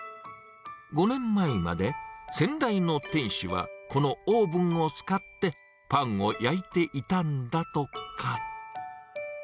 ５年前まで、先代の店主はこのオーブンを使ってパンを焼いていたんだとか。